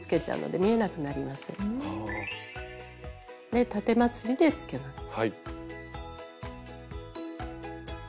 でたてまつりでつけます。